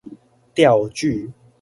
釣具